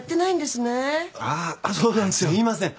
すいません。